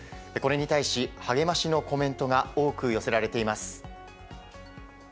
これに対し、励ましのコメントが多く寄せられています。